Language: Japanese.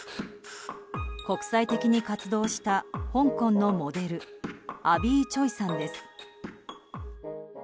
国際的に活動した香港のモデルアビー・チョイさんです。